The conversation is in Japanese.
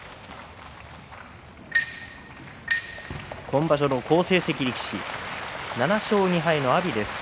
今場所の好成績力士７勝２敗の阿炎です。